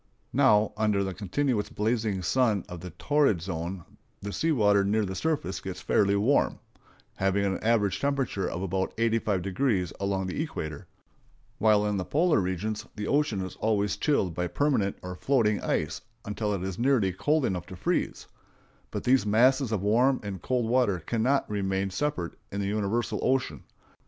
Now, under the continuous blazing sun of the torrid zone the sea water near the surface gets fairly warm,—having an average temperature of about 85° along the equator,—while in the polar regions the ocean is always chilled by permanent or floating ice until it is nearly cold enough to freeze; but these masses of warm and cold water cannot remain separate in the universal ocean.